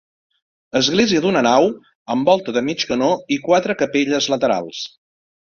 Església d'una nau, amb volta de mig canó i quatre capelles laterals.